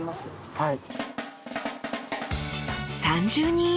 はい。